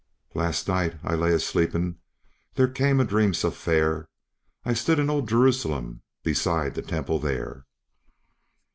"Last night I lay a sleeping, there came a dream so fair; I stood in old Jerusalem, beside the temple there."